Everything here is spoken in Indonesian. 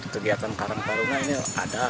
kegiatan karam karumah ini ada